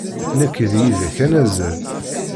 Nekk d yid-k ad nazzel.